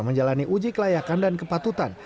menjalani uji kelayakan dan kepatutan